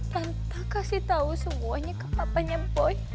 tante kasih tau semuanya ke papanya boy